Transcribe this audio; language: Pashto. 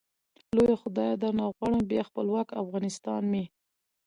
لويه خدايه درنه غواړم ، بيا خپلوک افغانستان مي